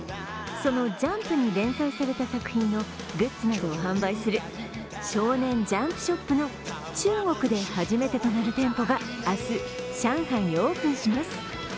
そのジャンプに連載された作品のグッズなどを販売するＳＨＯＮＥＮＪＵＭＰＳＨＯＰの中国で初めてとなる店舗が明日、上海にオープンします。